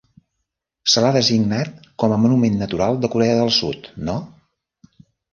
Se l'ha designat com a monument natural de Corea del Sud no.